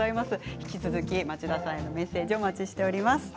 引き続き、町田さんへのメッセージお待ちしています。